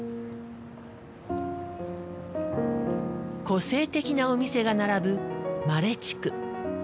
個性的なお店が並ぶマレ地区。